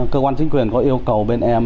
cơ quan chính quyền có yêu cầu bên em